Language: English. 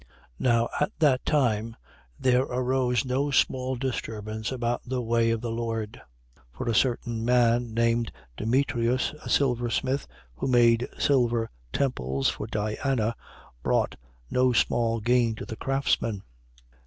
19:23. Now at that time there arose no small disturbance about the way of the Lord. 19:24. For a certain man named Demetrius, a silversmith, who made silver temples for Diana, brought no small gain to the craftsmen.